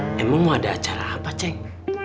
emang mau ada acara apa cek